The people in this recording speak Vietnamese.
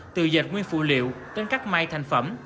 từ dệt nguyên phụ liệu tấn cắt may thành phẩm